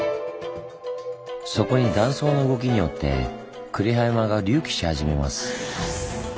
そこに断層の動きによって呉羽山が隆起し始めます。